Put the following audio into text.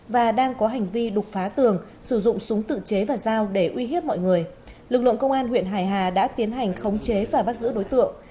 và đang có hành vi đục phá tường sử dụng súng tự chế và dao để uy hiếp mọi người lực lượng công an huyện hải hà đã tiến hành khống chế và bắt giữ đối tượng